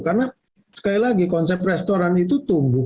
karena sekali lagi konsep restoran itu tumbuh